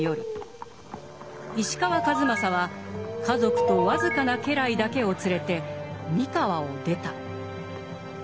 石川数正は家族と僅かな家来だけを連れて三河を出た。